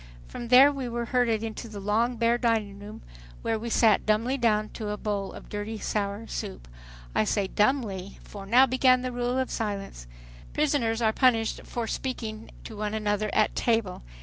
From there we were herded into the long bare dining room where we sat dumbly down to a bowl of dirty sour soup. I say dumbly—for now began the rule of silence. Prisoners are punished for speaking to one another at table.